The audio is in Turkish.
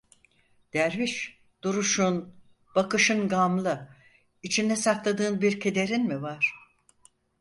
Derviş, duruşun, bakışın gamlı; içinde sakladığın bir kederin mi var?